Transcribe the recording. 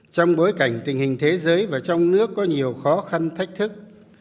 trong bối cảnh tình hình thế giới và trong nước có nhiều khó khăn thách thức